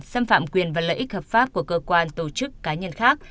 xâm phạm quyền và lợi ích hợp pháp của cơ quan tổ chức cá nhân khác